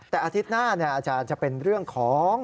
แต่อาทิตย์หน้าอาจารย์จะเป็นเรื่องของ